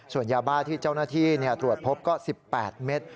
ส่วนยาบ้าที่เจ้าหน้าที่ตรวจพบก็๑๘เมตร